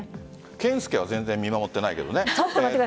謙介は全然見守ってないけどね。